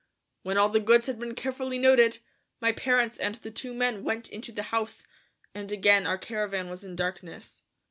When all the goods had been carefully noted, my parents and the two men went into the house, and again our caravan was in darkness.